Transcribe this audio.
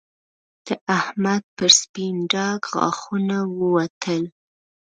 د احمد پر سپين ډاګ غاښونه ووتل